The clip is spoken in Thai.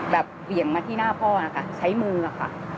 เหวี่ยงมาที่หน้าพ่อนะคะใช้มือค่ะ